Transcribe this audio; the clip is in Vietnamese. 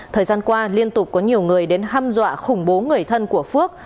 thời gian qua liên tục có nhiều người đến ham dọa khủng bố người thân của phước